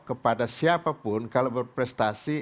kepada siapapun kalau berprestasi